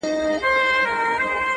د خېره دي بېزاره يم، سپي دي در گرځوه.